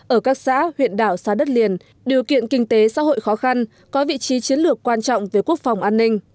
ở các xã huyện đảo xa đất liền điều kiện kinh tế xã hội khó khăn có vị trí chiến lược quan trọng về quốc phòng an ninh